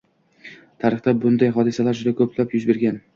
Tarixda bunday hodisalar juda ko‘plab yuz bergan